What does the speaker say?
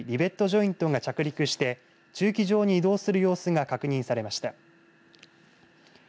ジョイントが着陸して駐機場に移動する様子が確認されました。